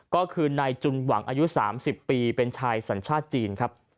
ก็คือนายจุนหวังอายุ๓๐ปีเป็นชายสัญชาติจีนครับ